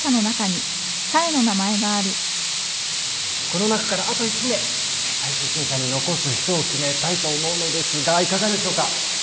この中からあと１名最終審査に残す人を決めたいと思うのですがいかがでしょうか？